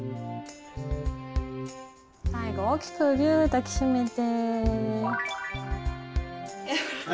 最後大きくぎゅーっ抱き締めて。